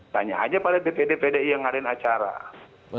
tanya aja pada dpd pdi yang ngadain acara